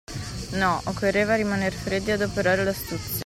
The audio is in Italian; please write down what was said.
No, occorreva rimaner freddi e adoperare l'astuzia.